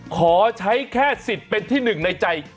ขอใช้แค่สิทธิ์เป็นที่หนึ่งในใจ